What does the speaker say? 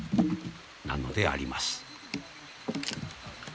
なのであります。